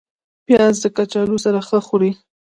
پیاز د کچالو سره ښه خوري